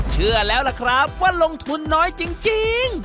เชื่อแล้วล่ะครับว่าลงทุนน้อยจริง